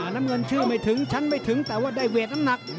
น้ำเงินเชื่อไม่ถึงชั้นไม่ถึงแต่ว่าได้เวทน้ำหนัก